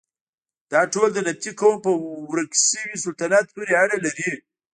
دا ټول د نبطي قوم په ورک شوي سلطنت پورې اړه لري.